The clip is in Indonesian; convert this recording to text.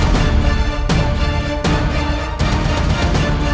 jangan sendirian suho